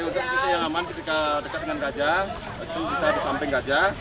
untuk posisi yang aman ketika dekat dengan gajah itu bisa di samping gajah